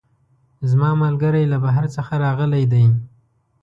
زما ملګرۍ له بهر څخه راغلی ده